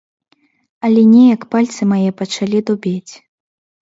Але неяк пальцы мае пачалі дубець.